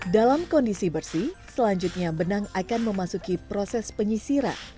dalam kondisi bersih selanjutnya benang akan memasuki proses penyisiran